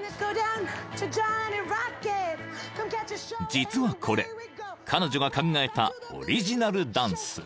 ［実はこれ彼女が考えたオリジナルダンス］